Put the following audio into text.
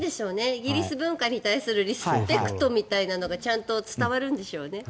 イギリス文化に対するリスペクトみたいなのがちゃんと伝わるんでしょうね。